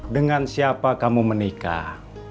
dengan siapa kamu menikah